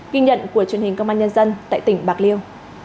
ghi nhận của truyền hình công an nhân dân tại tỉnh bạc liêu